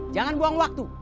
jangan buang waktu